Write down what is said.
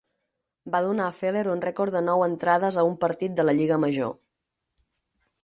Va donar a Feller un record de nou entrades a un partit de la lliga major.